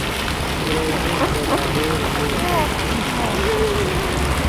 شروئے موخ دے لاہور ڤیو